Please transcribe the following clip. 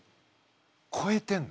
こえてんの。